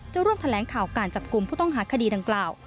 ร่วมแถลงข่าวการจับกลุ่มผู้ต้องหาคดีดังกล่าว